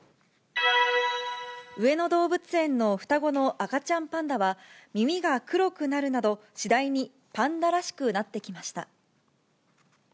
上野動物園の双子の赤ちゃんパンダは、耳が黒くなるなど、次第にパンダらしくなってきました。